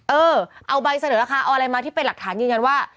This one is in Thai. เออเอาใบเสนอราคาเอาอะไรมาที่เป็นหลักฐานยืนยันว่า